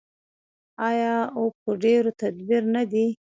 آیا او په ډیر تدبیر نه دی؟